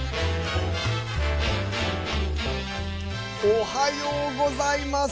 おはようございます。